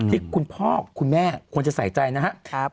ที่คุณพ่อคุณแม่ควรจะใส่ใจนะครับ